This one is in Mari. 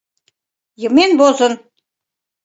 Йымен возын!